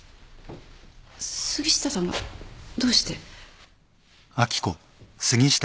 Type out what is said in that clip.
杉下さんがどうして？